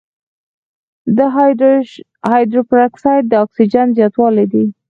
د هایپراکسیا د اکسیجن زیاتوالی دی.